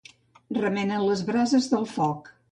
Remenen les brases del foc.